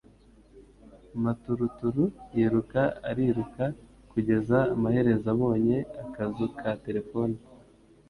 Maturuturu yiruka ariruka, kugeza amaherezo abonye akazu ka terefone.